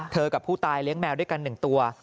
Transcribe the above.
กับผู้ตายเลี้ยงแมวด้วยกัน๑ตัว